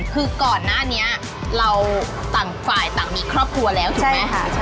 คือก่อนหน้านี้เราต่างฝ่ายต่างมีครอบครัวแล้วถูกไหม